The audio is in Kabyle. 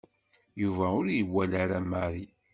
Yuba ur iwala ara Mary.